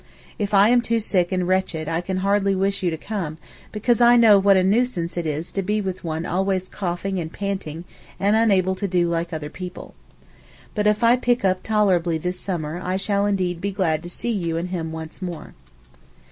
If I am too sick and wretched I can hardly wish you to come because I know what a nuisance it is to be with one always coughing and panting, and unable to do like other people. But if I pick up tolerably this summer I shall indeed be glad to see you and him once more.